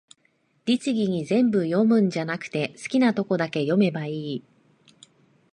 律儀に全部読むんじゃなくて、好きなとこだけ読めばいい